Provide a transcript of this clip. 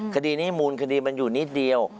คดีนี้มูลคดีมันอยู่นิดเดียว